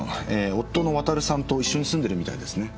夫の渉さんと一緒に住んでるみたいですね。